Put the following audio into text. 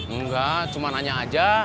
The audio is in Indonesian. enggak cuma nanya aja